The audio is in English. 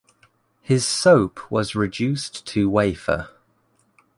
His soap was reduced to wafer.